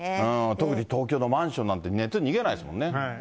特に東京のマンションなんて、熱逃げないですもんね。